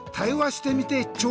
してみてちょ！